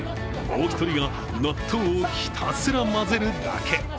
もう１人が納豆をひたすら混ぜるだけ。